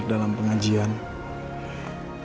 dalam pengajian ini